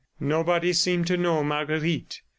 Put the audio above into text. Nobody seemed to know Marguerite.